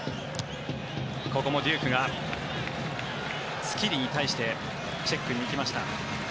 ここもデュークがスキリに対してチェックに行きました。